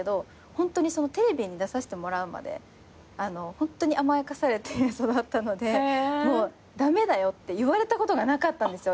ホントにテレビに出させてもらうまでホントに甘やかされて育ったので駄目だよって言われたことがなかったんですよ